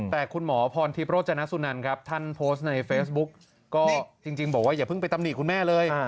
แต่คุณหมอพรทิพย์โรจนสุนันครับท่านโพสต์ในเฟซบุ๊กก็จริงบอกว่าอย่าเพิ่งไปตำหนิคุณแม่เลย